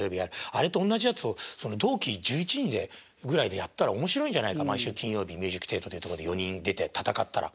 あれとおんなじやつを同期１１人ぐらいでやったら面白いんじゃないか毎週金曜日ミュージック・テイトってとこで４人出て戦ったら。